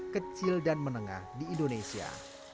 kecil dan menengah di indonesia